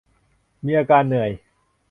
มีอาการเหนื่อย